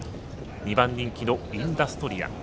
２番人気のインダストリア。